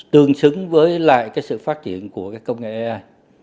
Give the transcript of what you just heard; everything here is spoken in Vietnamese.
tương xứng với lại cái sự phát triển của cái công nghệ ai